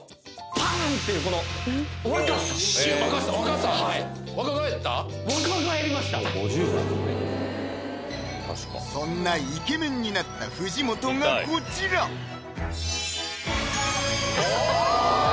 はいそんなイケメンになった藤本がこちらおぉ！